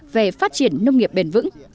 về phát triển nông nghiệp bền vững